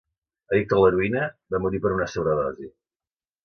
Addicte a l'heroïna, va morir per una sobredosi.